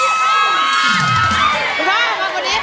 เปิด